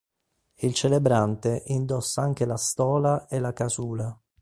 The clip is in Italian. Il celebrante indossa anche la stola e la casula.